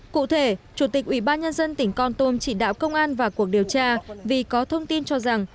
cụ thể chủ tịch ủy ban nhân dân tỉnh con tum chỉ đạo công an và cuộc điều tra vì có thông tin cho rằng